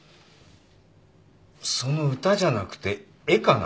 その歌じゃなくて絵かな。